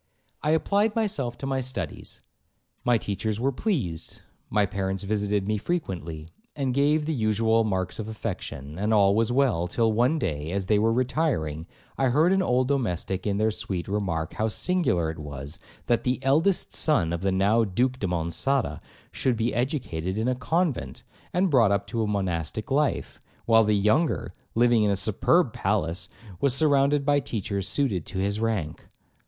I applied myself to my studies, my teachers were pleased, my parents visited me frequently, and gave the usual marks of affection, and all was well; till one day as they were retiring, I heard an old domestic in their suite remark, how singular it was, that the eldest son of the (now) Duke de Monçada should be educated in a convent, and brought up to a monastic life, while the younger, living in a superb palace, was surrounded by teachers suited to his rank.